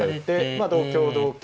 まあ同香同香。